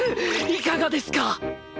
いかがですか？